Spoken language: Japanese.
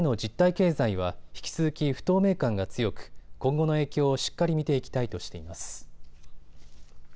経済は引き続き不透明感が強く、今後の影響をしっかり見ていきたいとしています。